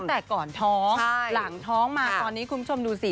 แต่ก่อนท้องหลังท้องมาตอนนี้คุณผู้ชมดูสิ